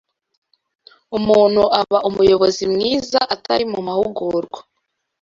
umuntu aba umuyobozi mwiza atari mumahugurwa